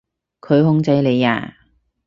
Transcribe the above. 佢控制你呀？